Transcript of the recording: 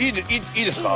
いいですか？